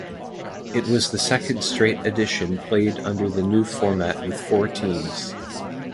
It was the second straight edition played under the new format with four teams.